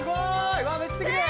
うわめっちゃきれい！